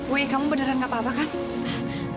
weh kamu beneran gak apa apa kan